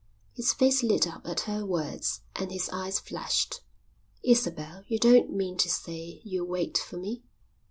His face lit up at her words and his eyes flashed. "Isabel, you don't mean to say you'll wait for me?"